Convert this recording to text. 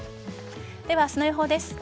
では、明日の予報です。